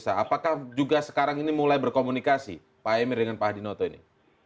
apakah juga sekarang ini mulai berkomunikasi pak emir dengan pak hadinoto ini